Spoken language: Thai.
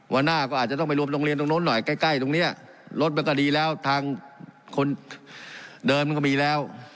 วันหน้าก็อาจจะต้องไปรวมโรงเรียนตรงโน้นหน่อยใกล้ตรงนี้รถมันก็ดีแล้วทางคนเดินมันก็มีแล้ว